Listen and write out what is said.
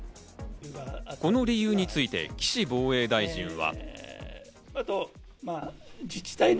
この理由について岸防衛大臣は。